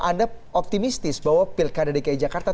anda optimistis bahwa pilkada dki jakarta